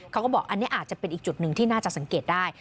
เขาก็บอกอันนี้อาจจะเป็นอีกจุดหนึ่งที่น่าจะสังเกตได้